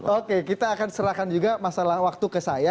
oke kita akan serahkan juga masalah waktu ke saya